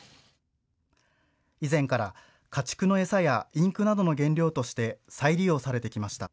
以前から家畜の餌やインクなどの原料として再利用されてきました。